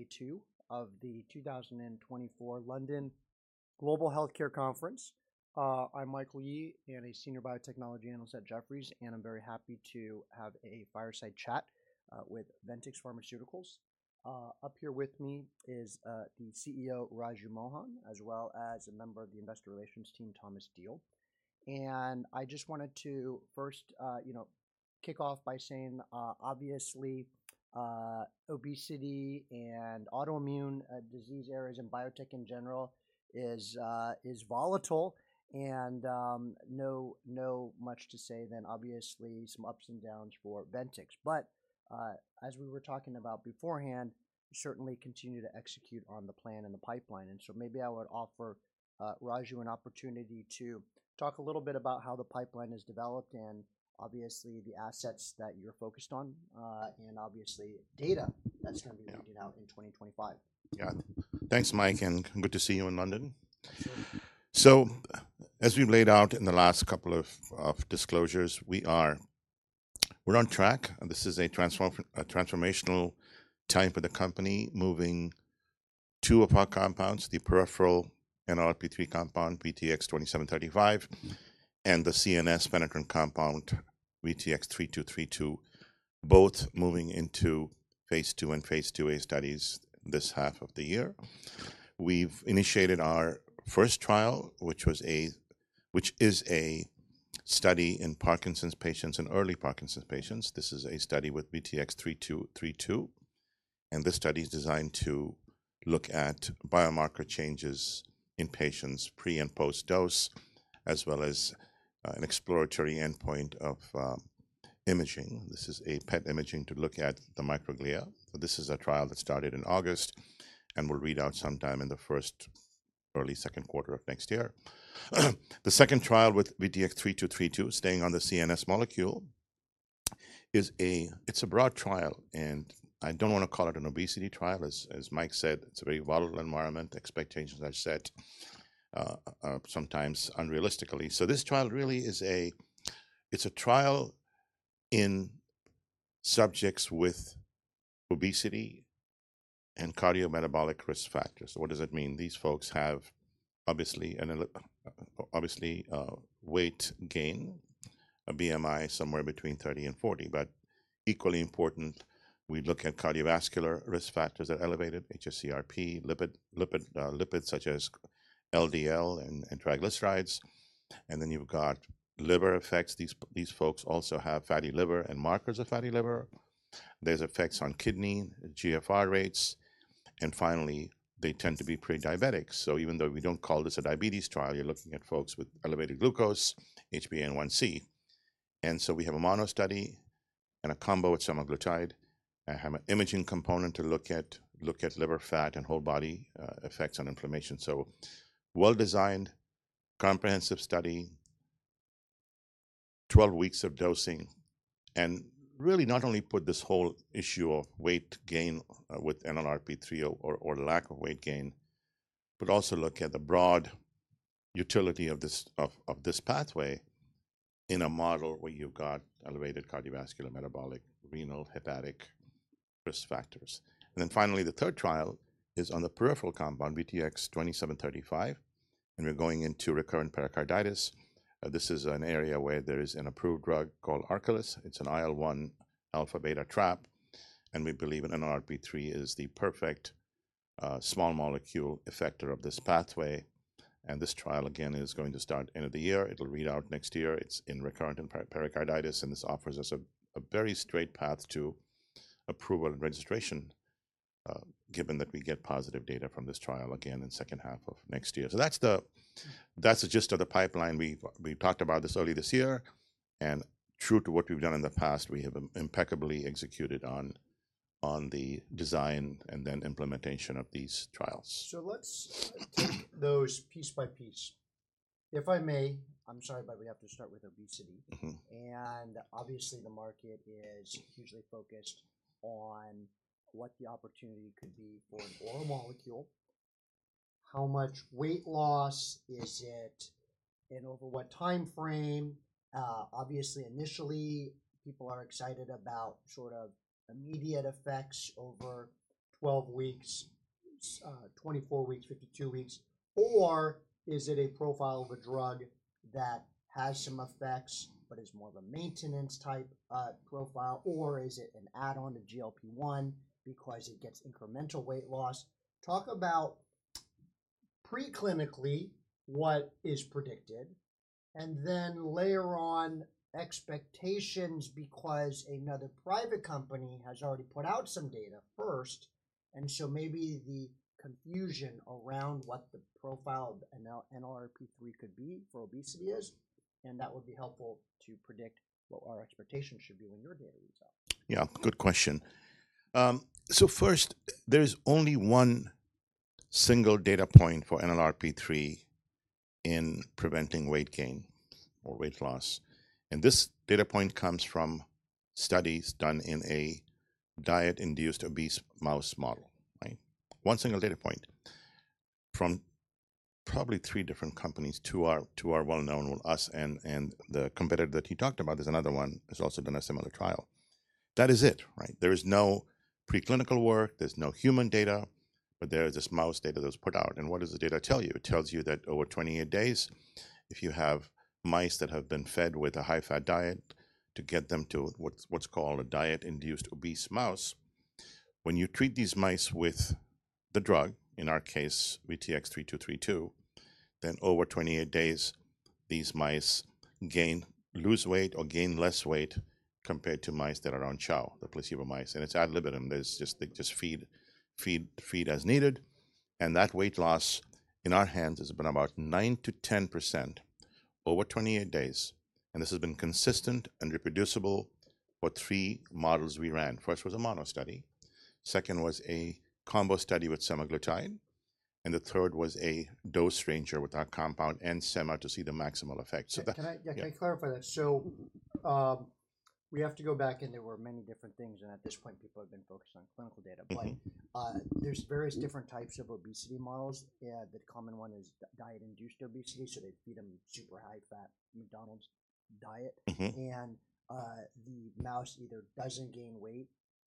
Day two of the 2024 London Global Healthcare Conference. I'm Michael Yee, a Senior Biotechnology Analyst at Jefferies, and I'm very happy to have a fireside chat with Ventyx Pharmaceuticals. Up here with me is the CEO, Raju Mohan, as well as a member of the investor relations team, Thomas Deal. And I just wanted to first kick off by saying, obviously, obesity and autoimmune disease areas and biotech in general is volatile. And not much to say than, obviously, some ups and downs for Ventyx. But as we were talking about beforehand, certainly continue to execute on the plan and the pipeline. And so maybe I would offer Raju an opportunity to talk a little bit about how the pipeline is developed and, obviously, the assets that you're focused on and, obviously, data that's going to be rolled out in 2025. Yeah. Thanks, Mike, and good to see you in London. So as we've laid out in the last couple of disclosures, we're on track. This is a transformational time for the company, moving two of our compounds, the peripheral NLRP3 compound, VTX2735, and the CNS penetrant compound, VTX3232, both moving into phase II and phase II studies this half of the year. We've initiated our first trial, which is a study in Parkinson's patients and early Parkinson's patients. This is a study with VTX3232. And this study is designed to look at biomarker changes in patients pre and post-dose, as well as an exploratory endpoint of imaging. This is a PET imaging to look at the microglia. This is a trial that started in August and will read out sometime in the first early second quarter of next year. The second trial with VTX3232, staying on the CNS molecule, is a broad trial, and I don't want to call it an obesity trial. As Mike said, it's a very volatile environment. Expectations are set sometimes unrealistically, so this trial really is a trial in subjects with obesity and cardiometabolic risk factors. What does it mean? These folks have, obviously, weight gain, a BMI somewhere between 30 and 40, but equally important, we look at cardiovascular risk factors that are elevated, hsCRP, lipids such as LDL and triglycerides, and then you've got liver effects. These folks also have fatty liver and markers of fatty liver. There's effects on kidney, GFR rates, and finally, they tend to be prediabetic, so even though we don't call this a diabetes trial, you're looking at folks with elevated glucose, HbA1c, and so we have a mono study and a combo with semaglutide. I have an imaging component to look at liver fat and whole body effects on inflammation, so well-designed, comprehensive study, 12 weeks of dosing, and really, not only put this whole issue of weight gain with NLRP3 or lack of weight gain, but also look at the broad utility of this pathway in a model where you've got elevated cardiovascular, metabolic, renal, hepatic risk factors, and then finally, the third trial is on the peripheral compound, VTX2735. And we're going into recurrent pericarditis. This is an area where there is an approved drug called Arcalyst. It's an IL-1α/β trap. And we believe NLRP3 is the perfect small molecule effector of this pathway. And this trial, again, is going to start at the end of the year. It'll read out next year. It's in recurrent pericarditis. And this offers us a very straight path to approval and registration, given that we get positive data from this trial again in the second half of next year. So that's the gist of the pipeline. We've talked about this early this year. And true to what we've done in the past, we have impeccably executed on the design and then implementation of these trials. So let's take those piece by piece. If I may, I'm sorry, but we have to start with obesity. And obviously, the market is hugely focused on what the opportunity could be for an oral molecule, how much weight loss is it, and over what time frame. Obviously, initially, people are excited about sort of immediate effects over 12 weeks, 24 weeks, 52 weeks. Or is it a profile of a drug that has some effects, but is more of a maintenance type profile? Or is it an add-on to GLP-1 because it gets incremental weight loss? Talk about preclinically what is predicted, and then layer on expectations because another private company has already put out some data first. And so maybe the confusion around what the profile of NLRP3 could be for obesity is. That would be helpful to predict what our expectations should be when your data leads up. Yeah. Good question. So first, there's only one single data point for NLRP3 in preventing weight gain or weight loss. And this data point comes from studies done in a diet-induced obese mouse model. One single data point from probably three different companies, two are well-known, us and the competitor that he talked about. There's another one that's also done a similar trial. That is it. There is no preclinical work. There's no human data. But there is this mouse data that was put out. And what does the data tell you? It tells you that over 28 days, if you have mice that have been fed with a high-fat diet to get them to what's called a diet-induced obese mouse, when you treat these mice with the drug, in our case, VTX3232, then over 28 days, these mice lose weight or gain less weight compared to mice that are on chow, the placebo mice. It's ad libitum. They just feed as needed. That weight loss, in our hands, has been about 9%-10% over 28 days. This has been consistent and reproducible for three models we ran. First was a mono study. Second was a combo study with semaglutide. The third was a dose-ranging with our compound and sema to see the maximal effect. Yeah, can I clarify that? So we have to go back. And there were many different things. And at this point, people have been focused on clinical data. But there's various different types of obesity models. The common one is diet-induced obesity. So they feed them super high-fat McDonald's diet. And the mouse either doesn't gain weight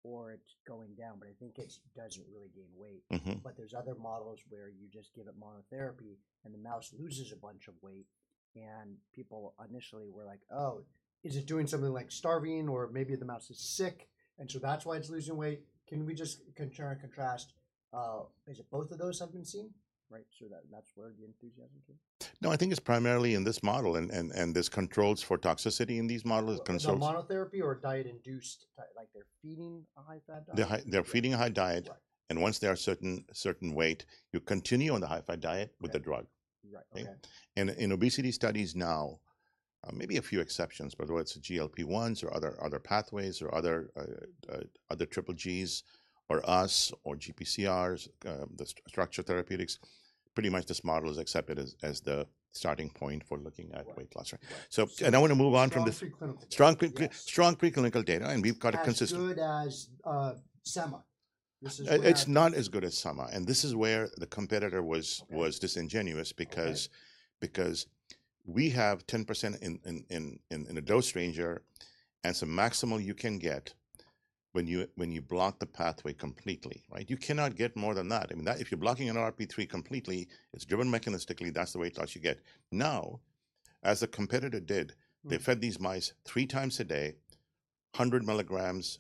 or it's going down. But I think it doesn't really gain weight. But there's other models where you just give it monotherapy, and the mouse loses a bunch of weight. And people initially were like, "Oh, is it doing something like starving or maybe the mouse is sick? And so that's why it's losing weight." Can we just try and contrast? Is it both of those have been seen? Right? So that's where the enthusiasm came? No, I think it's primarily in this model, and there's controls for toxicity in these models. Is it monotherapy or diet-induced? Like they're feeding a high-fat diet? They're feeding a high-fat diet. Once they are a certain weight, you continue on the high-fat diet with the drug. Right. Okay. In obesity studies now, maybe a few exceptions, whether it's GLP-1s or other pathways or other triple Gs or us or GPCRs, Structure Therapeutics, pretty much this model is accepted as the starting point for looking at weight loss. I want to move on from this. Strong preclinical data. Strong preclinical data and we've got a consistent. As good as sema? It's not as good as sema, and this is where the competitor was disingenuous because we have 10% in a dose range and some maximal you can get when you block the pathway completely. You cannot get more than that. If you're blocking NLRP3 completely, it's driven mechanistically. That's the weight loss you get. Now, as the competitor did, they fed these mice three times a day, 100 mg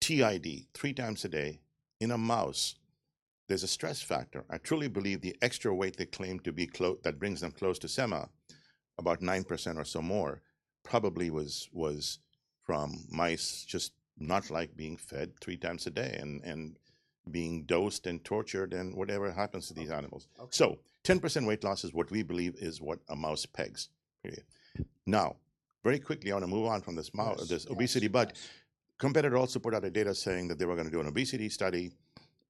TID, three times a day in a mouse. There's a stress factor. I truly believe the extra weight they claim to be that brings them close to sema, about 9% or so more, probably was from mice just not like being fed three times a day and being dosed and tortured and whatever happens to these animals. So 10% weight loss is what we believe is what a mouse pegs. Now, very quickly, I want to move on from this obesity. But competitors also put out a data saying that they were going to do an obesity study.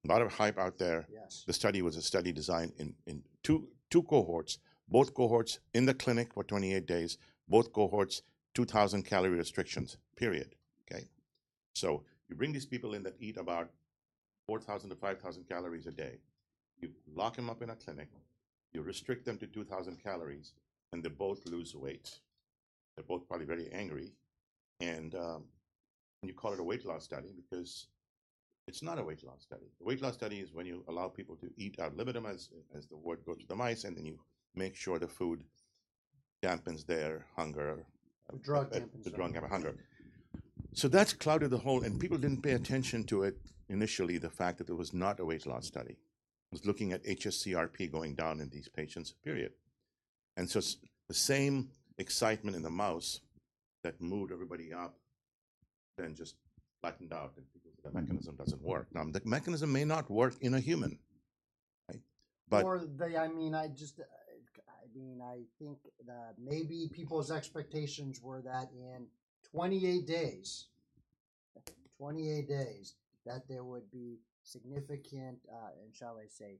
A lot of hype out there. The study was a study designed in two cohorts, both cohorts in the clinic for 28 days, both cohorts, 2,000 calorie restrictions, period. Okay, so you bring these people in that eat about 4,000-5,000 calories a day. You lock them up in a clinic. You restrict them to 2,000 calories, and they both lose weight. They're both probably very angry, and you call it a weight loss study because it's not a weight loss study. A weight loss study is when you allow people to eat ad libitum, as the word goes to the mice, and then you make sure the food dampens their hunger. Drug dampens their hunger. Drug dampens their hunger, so that's clouded the whole, and people didn't pay attention to it initially, the fact that it was not a weight loss study. It was looking at hsCRP going down in these patients, period, and so the same excitement in the mouse that moved everybody up then just flattened out. Mechanism doesn't work. Now, the mechanism may not work in a human. Or I mean, I think that maybe people's expectations were that in 28 days, that there would be significant, and shall I say,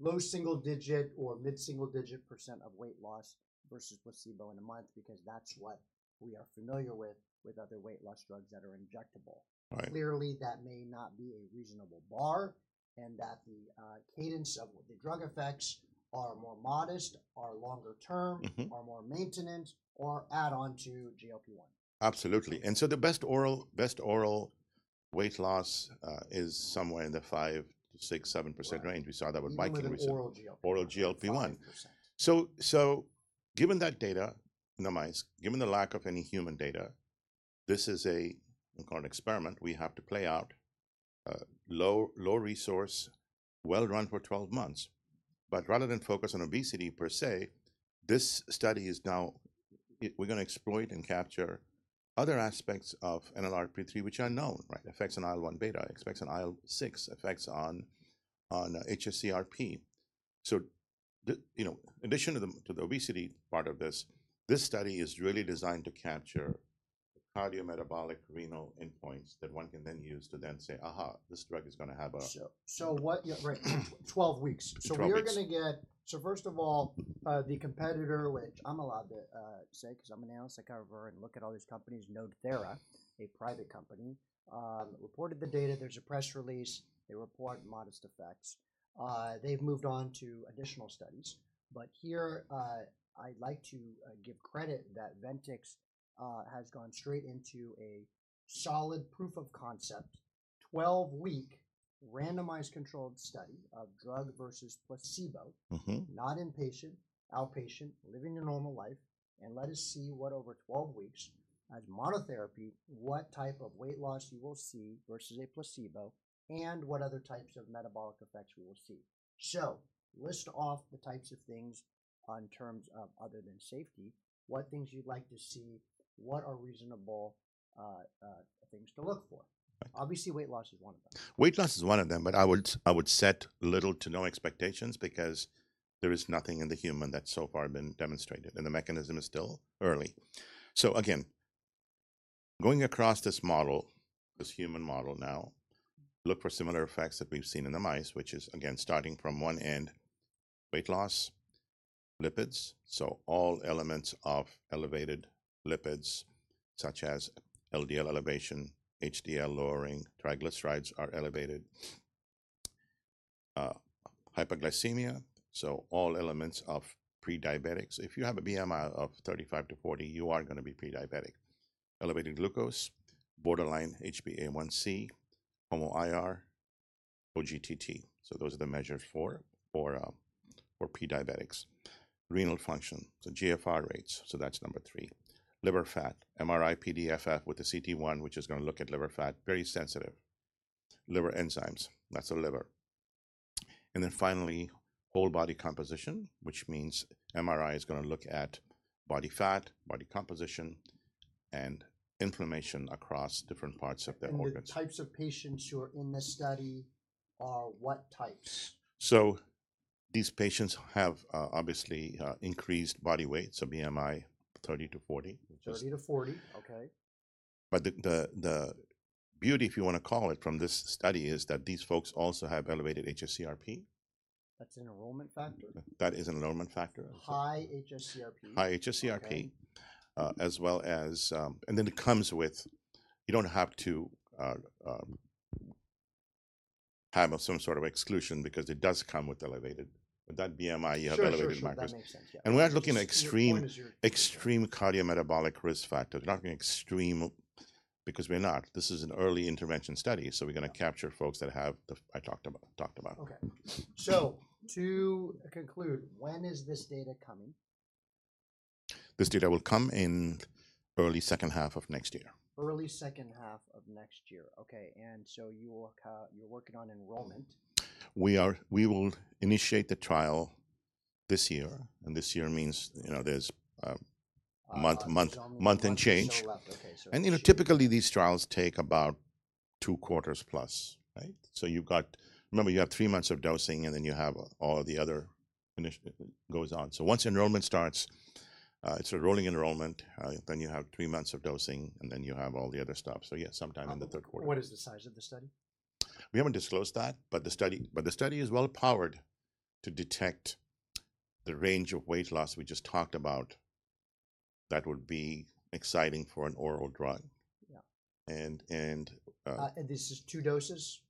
low single-digit or mid-single-digit percent of weight loss versus placebo in a month because that's what we are familiar with, with other weight loss drugs that are injectable. Clearly, that may not be a reasonable bar and that the cadence of the drug effects are more modest, are longer term, are more maintenance, or add on to GLP-1. Absolutely, and so the best oral weight loss is somewhere in the 5%-7% range. We saw that with Mike recently. With oral GLP-1. Oral GLP-1. Given that data in the mice, given the lack of any human data, this is an experiment we have to play out, low resource, well run for 12 months. Rather than focus on obesity per se, this study is now we're going to exploit and capture other aspects of NLRP3, which are known, right? Effects on IL-1β, effects on IL-6, effects on hsCRP. In addition to the obesity part of this, this study is really designed to capture cardiometabolic renal endpoints that one can then use to then say, "Aha, this drug is going to have a... Right, 12 weeks. We are going to get, first of all, the competitor, which I'm allowed to say because I'm an analyst like whatever and look at all these companies. NodThera, a private company, reported the data. There's a press release. They report modest effects. They've moved on to additional studies. But here, I'd like to give credit that Ventyx has gone straight into a solid proof of concept, 12-week randomized controlled study of drug versus placebo, not inpatient, outpatient, living your normal life. And let us see what over 12 weeks as monotherapy, what type of weight loss you will see versus a placebo and what other types of metabolic effects we will see. So list off the types of things in terms of other than safety, what things you'd like to see, what are reasonable things to look for. Obviously, weight loss is one of them. Weight loss is one of them, but I would set little to no expectations because there is nothing in the human that's so far been demonstrated, and the mechanism is still early. So again, going across this model, this human model now, look for similar effects that we've seen in the mice, which is, again, starting from one end, weight loss, lipids. So all elements of elevated lipids, such as LDL elevation, HDL lowering, triglycerides are elevated. Hypoglycemia, so all elements of prediabetics. If you have a BMI of 35-40, you are going to be prediabetic. Elevated glucose, borderline HbA1c, HOMA-IR, OGTT. So those are the measures for prediabetics. Renal function, so GFR rates. So that's number three. Liver fat, MRI-PDFF with the cT1, which is going to look at liver fat, very sensitive. Liver enzymes, that's the liver. And then finally, whole body composition, which means MRI is going to look at body fat, body composition, and inflammation across different parts of the organs. The types of patients who are in this study are what types? So these patients have obviously increased body weight, so BMI 30-40. 30-40. Okay. But the beauty, if you want to call it, from this study is that these folks also have elevated hsCRP. That's an enrollment factor? That is an enrollment factor. High hsCRP. High hsCRP, as well as, and then it comes with you don't have to have some sort of exclusion because it does come with elevated. With that BMI, you have elevated microglia. That makes sense. And we're not looking at extreme cardiometabolic risk factors. We're not looking at extreme because we're not. This is an early intervention study. So we're going to capture folks that have the I talked about. Okay, so to conclude, when is this data coming? This data will come in early second half of next year. Early second half of next year. Okay. And so you're working on enrollment. We will initiate the trial this year, and this year means there's month and change. Month and change. Typically, these trials take about two quarters plus. You've got remember, you have three months of dosing, and then you have all the other goes on. Once enrollment starts, it's a rolling enrollment. You have three months of dosing, and then you have all the other stuff. Yeah, sometime in the third quarter. What is the size of the study? We haven't disclosed that. But the study is well powered to detect the range of weight loss we just talked about that would be exciting for an oral drug. This is two doses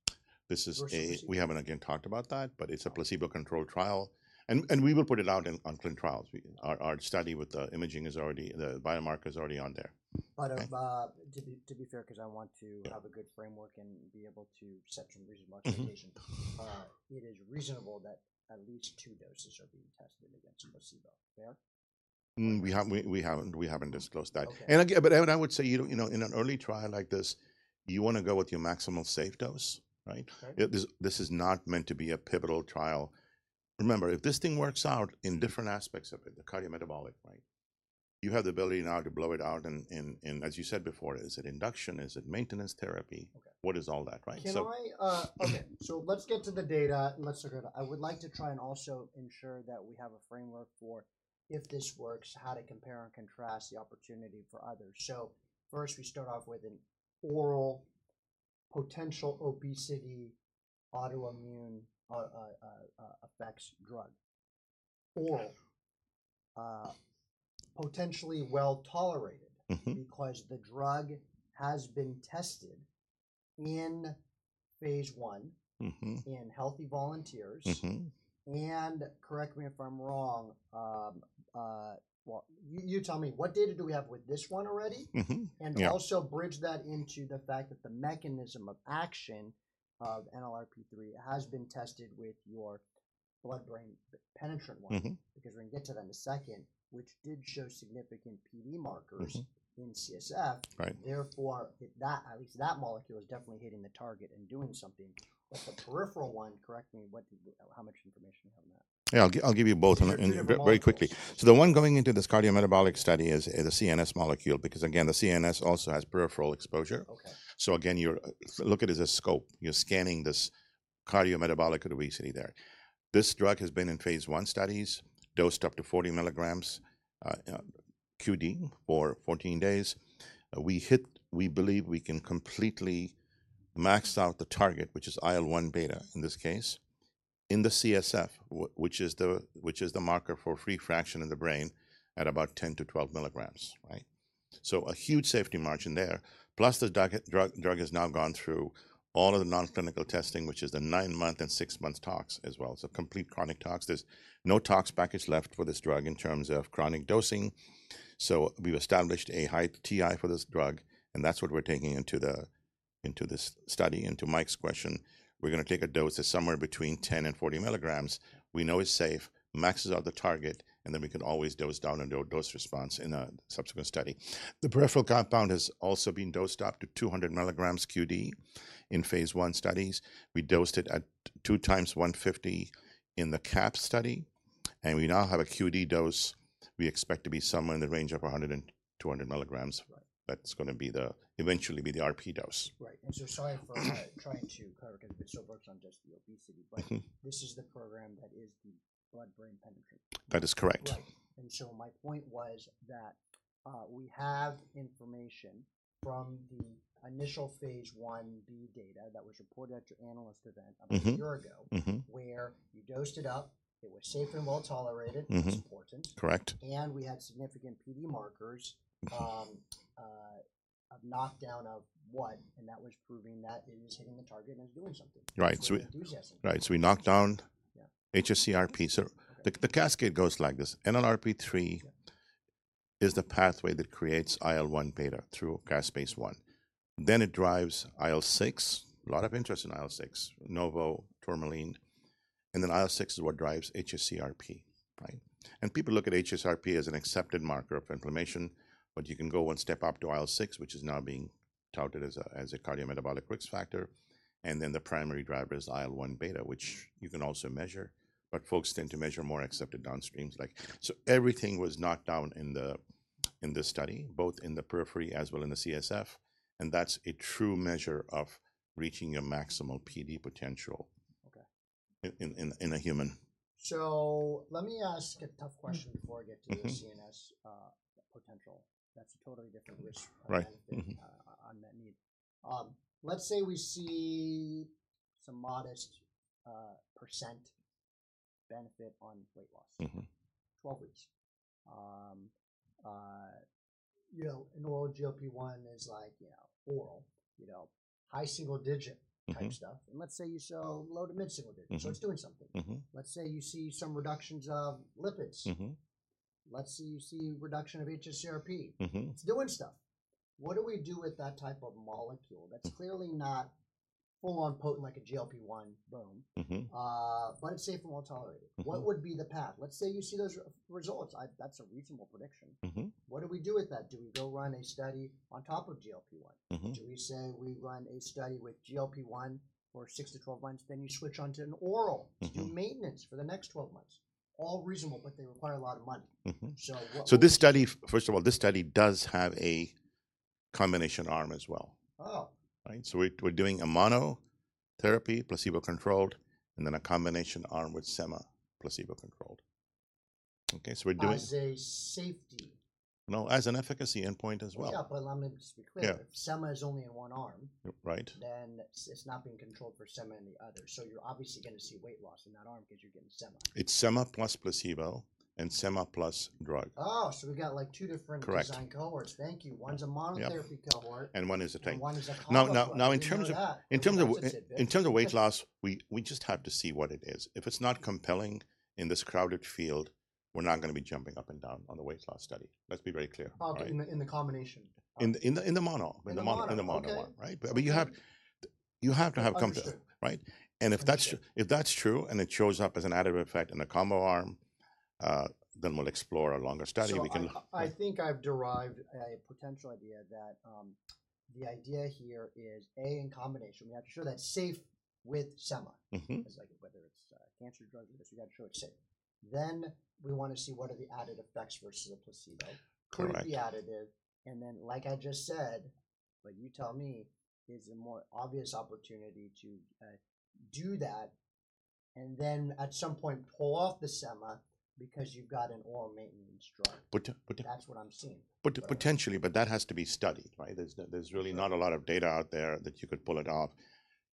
versus? We haven't again talked about that, but it's a placebo-controlled trial, and we will put it out on clinical trials. Our study with the imaging is already. The biomarker is already on there. But to be fair, because I want to have a good framework and be able to set some reasonable expectations, it is reasonable that at least two doses are being tested against placebo. Fair? We haven't disclosed that. But I would say in an early trial like this, you want to go with your maximal safe dose. This is not meant to be a pivotal trial. Remember, if this thing works out in different aspects of it, the cardiometabolic, right, you have the ability now to blow it out. And as you said before, is it induction? Is it maintenance therapy? What is all that? Right? Okay. So let's get to the data. And let's look at it. I would like to try and also ensure that we have a framework for if this works, how to compare and contrast the opportunity for others. So first, we start off with an oral potential obesity autoimmune effects drug, or potentially well tolerated because the drug has been tested in phase I in healthy volunteers. And correct me if I'm wrong. Well, you tell me. What data do we have with this one already? And also bridge that into the fact that the mechanism of action of NLRP3 has been tested with your blood-brain penetrant one because we're going to get to that in a second, which did show significant PD markers in CSF. Therefore, at least that molecule is definitely hitting the target and doing something. But the peripheral one, correct me how much information we have on that. Yeah. I'll give you both very quickly. So the one going into this cardiometabolic study is the CNS molecule because, again, the CNS also has peripheral exposure. So again, look at it as a scope. You're scanning this cardiometabolic obesity there. This drug has been in phase I studies, dosed up to 40 mg QD for 14 days. We believe we can completely max out the target, which is IL-1β in this case, in the CSF, which is the marker for free fraction in the brain at about 10 to 12 mg. So a huge safety margin there. Plus, the drug has now gone through all of the non-clinical testing, which is the nine-month and six-month tox as well. So complete chronic tox. There's no tox package left for this drug in terms of chronic dosing. So we've established a high TI for this drug. That's what we're taking into this study, into Mike's question. We're going to take a dose that's somewhere between 10 and 40 milligrams. We know it's safe, maxes out the target, and then we can always dose down and do a dose response in a subsequent study. The peripheral compound has also been dosed up to 200 mg QD in phase I studies. We dosed it at two times 150 in the CAPS study. We now have a QD dose we expect to be somewhere in the range of 100 and 200 mg. That's going to eventually be the RP dose. Right. And so sorry for trying to cut over because it still works on just the obesity. But this is the program that is the blood-brain penetrant. That is correct. My point was that we have information from the initial phase Ib data that was reported at your analyst event a year ago, where you dosed it up. It was safe and well tolerated. It's important. Correct. And we had significant PD markers of knockdown of what? And that was proving that it is hitting the target and is doing something. Right. So we knocked down hsCRP. So the cascade goes like this. NLRP3 is the pathway that creates IL-1β through caspase-1. Then it drives IL-6. A lot of interest in IL-6, Novo, Tourmaline. And then IL-6 is what drives hsCRP. And people look at hsCRP as an accepted marker of inflammation. But you can go one step up to IL-6, which is now being touted as a cardiometabolic risk factor. And then the primary driver is IL-1β, which you can also measure. But folks tend to measure more accepted downstreams. So everything was knocked down in this study, both in the periphery as well as in the CSF. And that's a true measure of reaching your maximal PD potential in a human. So let me ask a tough question before I get to the CNS potential. That's a totally different risk on that need. Let's say we see some modest percent benefit on weight loss, 12 weeks. An oral GLP-1 is like oral, high single-digit type stuff. And let's say you show low to mid-single digits. So it's doing something. Let's say you see some reductions of lipids. Let's say you see reduction of hsCRP. It's doing stuff. What do we do with that type of molecule that's clearly not full-on potent like a GLP-1, boom, but it's safe and well tolerated? What would be the path? Let's say you see those results. That's a reasonable prediction. What do we do with that? Do we go run a study on top of GLP-1? Do we say we run a study with GLP-1 for six to 12 months, then you switch on to an oral to do maintenance for the next 12 months? All reasonable, but they require a lot of money. So what? This study, first of all, this study does have a combination arm as well. We're doing a monotherapy, placebo-controlled, and then a combination arm with sema, placebo-controlled. Okay. As a safety? No, as an efficacy endpoint as well. Yeah, but let me just be clear. Sema is only in one arm, then it's not being controlled for sema in the other, so you're obviously going to see weight loss in that arm because you're getting sema. It's sema+placebo and sema+drug. Oh, so we've got like two different design cohorts. Thank you. One's a monotherapy cohort. And one is a combination. And one is a combination of both. Now, in terms of weight loss, we just have to see what it is. If it's not compelling in this crowded field, we're not going to be jumping up and down on the weight loss study. Let's be very clear. In the combination. In the mono arm. In the mono arm. In the mono arm. You have to have combination. And if that's true and it shows up as an added effect in the combo arm, then we'll explore a longer study. I think I've derived a potential idea that the idea here is, A, in combination, we have to show that it's safe with sema, whether it's a cancer drug or this. We've got to show it's safe. Then we want to see what are the added effects versus the placebo. Correct. What's the add-on? And then, like I just said, but you tell me, is a more obvious opportunity to do that and then at some point pull off the sema because you've got an oral maintenance drug. That's what I'm seeing. Potentially, but that has to be studied. There's really not a lot of data out there that you could pull it off.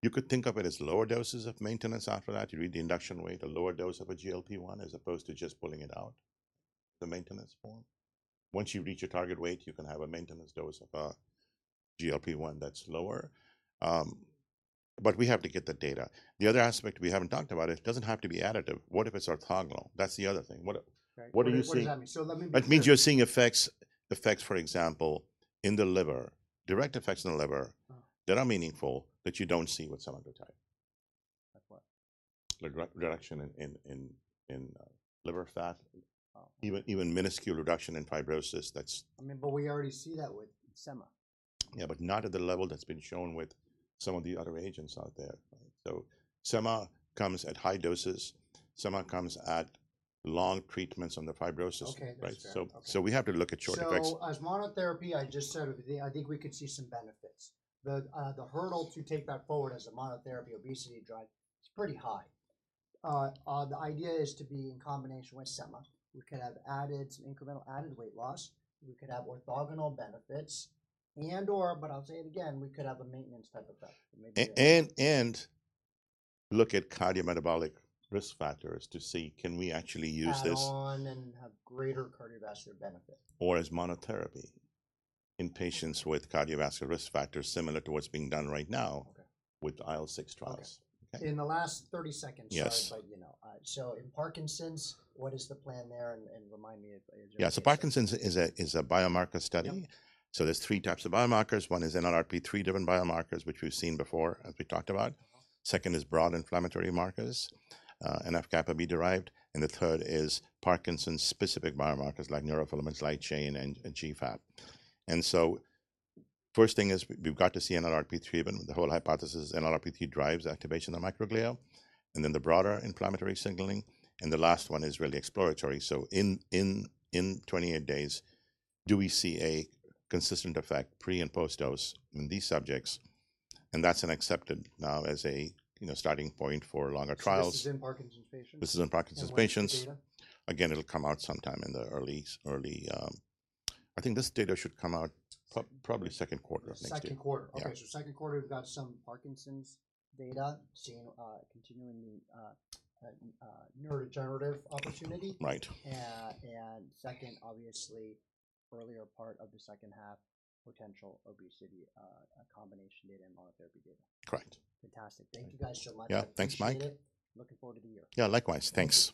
You could think of it as lower doses of maintenance after that. You reduce the induction weight, a lower dose of a GLP-1 as opposed to just pulling it out, the maintenance form. Once you reach your target weight, you can have a maintenance dose of a GLP-1 that's lower. But we have to get the data. The other aspect we haven't talked about is it doesn't have to be additive. What if it's orthogonal? That's the other thing. What are you seeing? What does that mean? So let me just. That means you're seeing effects, for example, in the liver, direct effects in the liver that are meaningful that you don't see with some other type. Like what? Reduction in liver fat, even minuscule reduction in fibrosis. I mean, but we already see that with sema. Yeah, but not at the level that's been shown with some of the other agents out there. So sema comes at high doses. Sema comes at long treatments on the fibrosis. So we have to look at short effects. So as monotherapy, I just said I think we could see some benefits. The hurdle to take that forward as a monotherapy obesity drug is pretty high. The idea is to be in combination with sema. We could have added some incremental added weight loss. We could have orthogonal benefits. And/or, but I'll say it again, we could have a maintenance type effect. Look at cardiometabolic risk factors to see can we actually use this. Add on and have greater cardiovascular benefit. Or as monotherapy in patients with cardiovascular risk factors similar to what's being done right now with IL-6 trials. In the last 30 seconds, sorry, but so in Parkinson's, what is the plan there? and remind me if. Yeah. So Parkinson's is a biomarker study. So there's three types of biomarkers. One is NLRP3 different biomarkers, which we've seen before as we talked about. Second is broad inflammatory markers, NF-kappaB-derived. And the third is Parkinson's specific biomarkers like neurofilament light chain and GFAP. And so first thing is we've got to see NLRP3, but the whole hypothesis is NLRP3 drives activation of the microglia. And then the broader inflammatory signaling. And the last one is really exploratory. So in 28 days, do we see a consistent effect pre and post-dose in these subjects? And that's now accepted as a starting point for longer trials. This is in Parkinson's patients? This is in Parkinson's patients. Again, it'll come out sometime in the early I think this data should come out probably second quarter of next year. Second quarter. Okay. So, second quarter, we've got some Parkinson's data continuing the neurodegenerative opportunity. And second, obviously, earlier part of the second half, potential obesity combination data and monotherapy data. Correct. Fantastic. Thank you guys so much. Yeah. Thanks, Mike. Appreciate it. Looking forward to the year. Yeah. Likewise. Thanks.